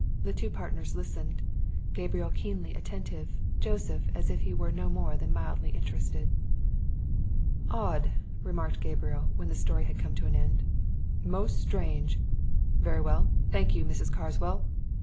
The two partners listened; Gabriel keenly attentive; Joseph as if he were no more than mildly interested. "Odd!" remarked Gabriel, when the story had come to an end. "Most strange! Very well thank you, Mrs. Carswell.